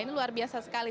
ini luar biasa sekali